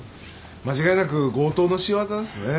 間違いなく強盗の仕業ですね。